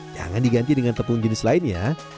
jangan diganti dengan tepung jenis lain ya